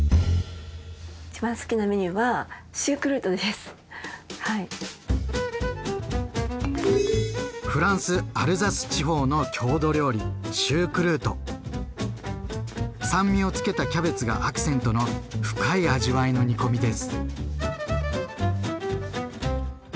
一番好きなメニューはフランスアルザス地方の郷土料理酸味をつけたキャベツがアクセントの深い味わいの煮込みです。